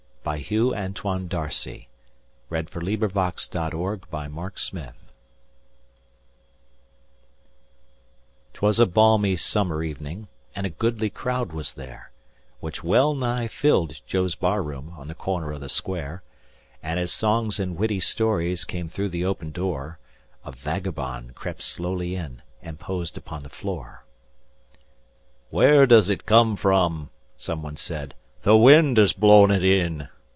K L . M N . O P . Q R . S T . U V . W X . Y Z The Face on the Barroom Floor 'TWAS a balmy summer evening, and a goodly crowd was there, Which well nigh filled Joe's barroom, on the corner of the square; And as songs and witty stories came through the open door, A vagabond crept slowly in and posed upon the floor. "Where did it come from?" someone said. " The wind has blown it in."